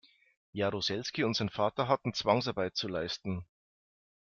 Jaruzelski und sein Vater hatten Zwangsarbeit zu leisten.